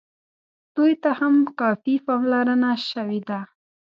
دوی ته هم کافي پاملرنه شوې ده.